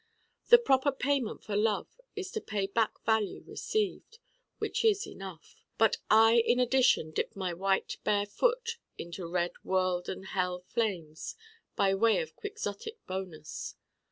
The proper payment for Love is to pay back value received which is enough. But I in addition dip my white bare foot into red world and hell flames by way of quixotic bonus.